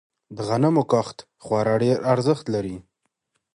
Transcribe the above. د غنمو کښت خورا ډیر ارزښت لری.